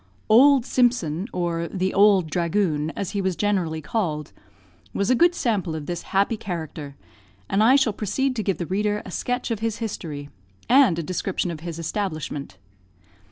"Ould Simpson," or the "Ould Dhragoon," as he was generally called, was a good sample of this happy character; and I shall proceed to give the reader a sketch of his history, and a description of his establishment.